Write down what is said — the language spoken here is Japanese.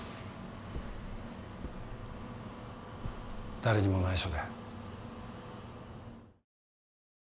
誰にも内緒で。